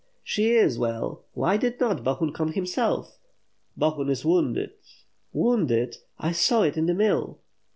"She is well. Why did not Bohun come himself?" "Bohun is wounded." "Wounded? I saw it in the mill."